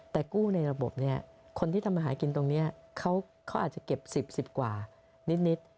แต่กู้ในระบบนี้คนที่ทำอาหารกินตรงนี้เขาอาจจะเก็บ๑๐๑๐กว่านิด